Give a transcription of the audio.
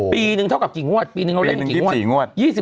ปีนึงเท่ากับกี่งวดปีนึงเราเรียกเป็นกี่งวด